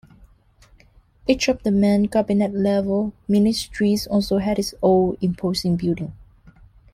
Each of the main cabinet-level ministries also had its own imposing building.